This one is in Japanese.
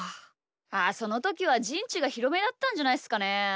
ああそのときはじんちがひろめだったんじゃないっすかね。